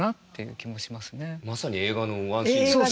まさに映画のワンシーンですね。